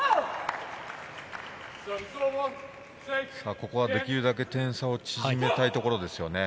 ここはできるだけ点差を縮めたいところですよね。